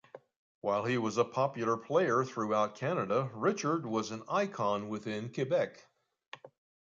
While he was a popular player throughout Canada, Richard was an icon within Quebec.